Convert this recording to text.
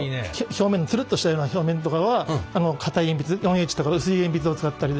表面のつるっとしたような表面とかは硬い鉛筆４Ｈとか薄い鉛筆を使ったりはい